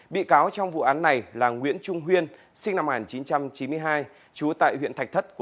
bị cáo trong vụ án này là nguyễn trung huyên sinh năm một nghìn chín trăm chín mươi hai trú tại huyện thạch thất